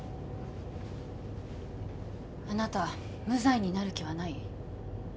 あなた無罪になる気はない？